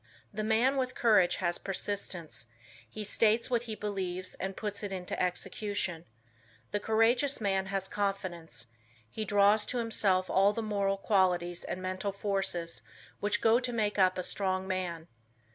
The man with courage has persistence. He states what he believes and puts it into execution. The courageous man has confidence. He draws to himself all the moral qualities and mental forces which go to make up a strong man.